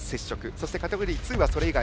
そしてカテゴリー２は、それ以外。